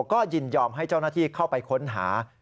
ก็ยินยอมให้เจ้าหน้าที่เข้าไปค้นหา